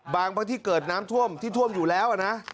บางพื้นที่เกิดน้ำท่วมที่ท่วมอยู่แล้วนะ